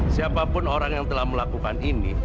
siapapun orang yang telah melakukan ini